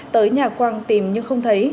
tới nhà quang tìm nhưng không thấy